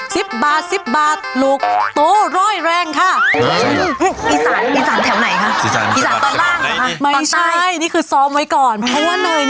สิบบาทสิบบาทหมุกโต้ร่อยแรงค่ะอืมอีสานอีสานแถวไหนค่ะ